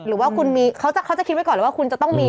หรือว่าคุณมีเขาจะคิดไว้ก่อนเลยว่าคุณจะต้องมี